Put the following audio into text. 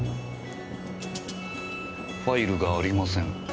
「ファイルがありません」